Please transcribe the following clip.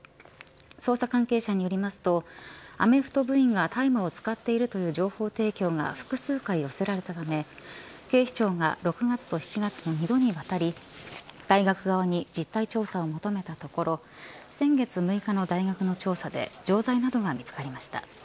捜査関係者によりますとアメフト部員が大麻を使っているという情報提供が複数回寄せられたため警視庁が６月と７月の２度にわたり大学側に実態調査を求めたところ先月６日の大学の調査で錠剤などが見つかりました。